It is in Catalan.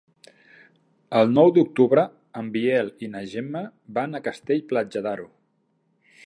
El nou d'octubre en Biel i na Gemma van a Castell-Platja d'Aro.